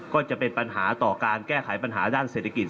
ก็จะเป็นปัญหาต่อการแก้ไขปัญหาด้านเศรษฐกิจ